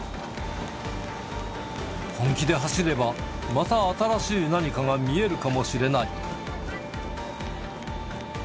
本気で走れば、また新しい何かが見えるかもしれない。